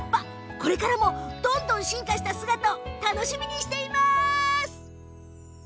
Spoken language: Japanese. これからもどんどん進化した姿を楽しみにしてます！